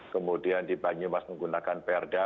kemudian di banyumas menggunakan perda